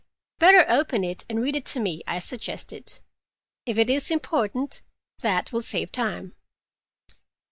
"Better open it and read it to me," I suggested. "If it is important, that will save time."